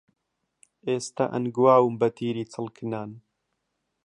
ئێستە ئەنگواوم بەتیری چڵکنان